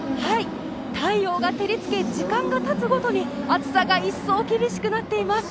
太陽が照りつけ時間がたつほどに暑さがいっそう厳しくなってます